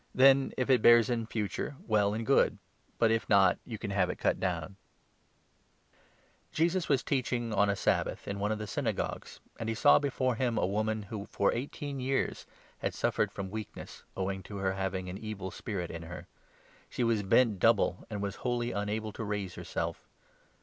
Then, if it bears in 9 future, well and good ; but if not, you can have it cut down.' " A woman Jesus was teaching on a Sabbath in one of 10 healed on the the Synagogues, and he saw before him a woman 1 1 sabbath, who for eighteen years had suffered from weak ness, owing to her having an evil spirit in her. She was bent double, and was wholly unable to raise herself.